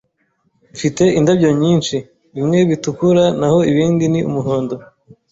Mfite indabyo nyinshi. Bimwe bitukura naho ibindi ni umuhondo.